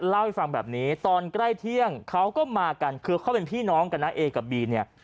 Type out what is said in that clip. เล่าให้ฟังแบบนี้ตอนใกล้เที่ยงเขาก็มากันคือเขาเป็นพี่น้องกันนะเอกับบีเนี่ย